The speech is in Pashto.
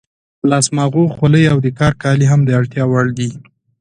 لاس ماغو، خولۍ او د کار کالي هم د اړتیا وړ دي.